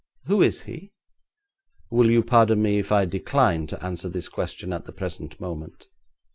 'Who is he?' 'Will you pardon me if I decline to answer this question at the present moment?'